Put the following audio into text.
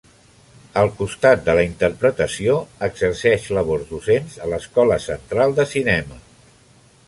Al costat de la interpretació, exerceix labors docents a l'Escola Central de Cinema.